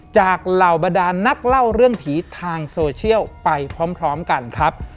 เหล่าบรรดานนักเล่าเรื่องผีทางโซเชียลไปพร้อมกันครับ